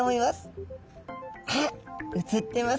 あっ映ってますね。